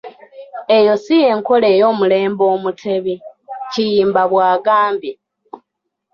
"Eyo ssi yenkola ey'omulembe Omutebi,” Kiyimba bwagambye.